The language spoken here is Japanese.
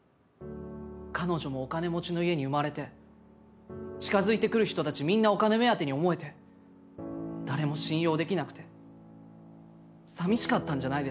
彼女もお金持ちの家に生まれて近づいてくる人たちみんなお金目当てに思えて誰も信用できなくて寂しかったんじゃないですか？